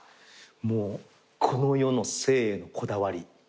もうこの世の生へのこだわり。